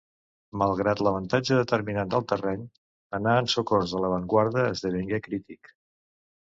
Malgrat l'avantatge determinant del terreny, anar en socors de l'avantguarda esdevingué crític.